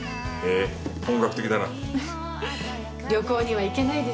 へえ本格的だな。